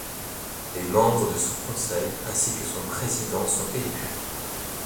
Les membres de ce conseil ainsi que son président sont élus.